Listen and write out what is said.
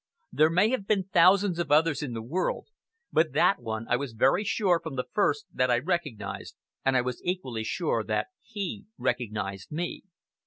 There may have been thousands of others in the world, but that one I was very sure, from the first, that I recognized, and I was equally sure that he recognized me.